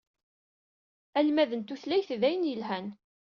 Almad n tutlayin d ayen yelhan.